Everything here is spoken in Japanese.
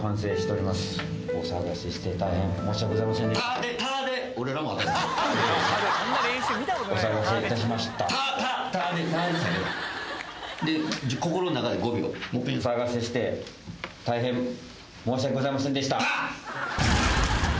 お騒がせして大変申し訳ございませんでした。